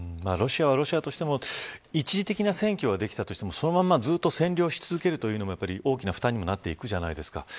ロシアはロシアとしても一時的な占領はできたとしてもそのままずっと占領し続けるのは大きな負担にもなってくじゃないですか。